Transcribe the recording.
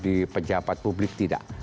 di pejabat publik tidak